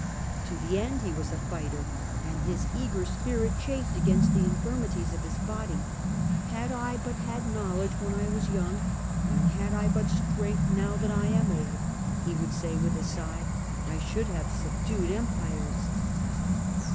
To the last he was a fighter, and his eager spirit chafed against the infirmities of his body. " Had I but had knowledge when I was young, had I but strength FRANCE UNDER LOUIS VI. AND LOUIS VII. 105 now that I am old," he would say with a sigh, " I should have suhdued empires